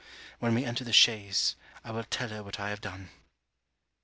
When we enter the chaise, I will tell her what I have done.